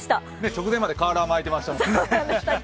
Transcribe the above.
直前までカーラー巻いてましたもんね。